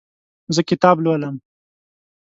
زه کتاب لولم.